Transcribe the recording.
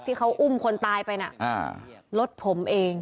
ที่เขาอุ้มคนตายไปน่ะรถผมเอง